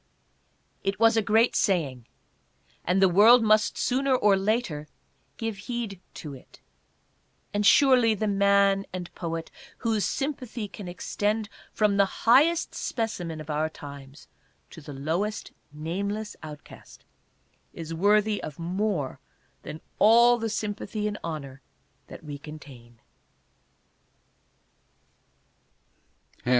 It was a great saying, and the world must sooner or later give heed to it ; and surely, the man and poet whose sympathy can extend from the highest specimen of our times to the lowest nameless outcast, is worthy of more than all the sympathy and honor that we contain.